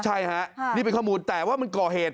ใช่ฮะนี่เป็นข้อมูลแต่ว่ามันก่อเหตุ